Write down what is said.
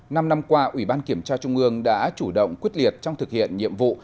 năm năm qua ủy ban kiểm tra trung ương đã chủ động quyết liệt trong thực hiện nhiệm vụ